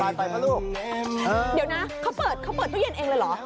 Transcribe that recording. เดี๋ยวนะเขาเปิดทุกเย็นเองเลยเหรอ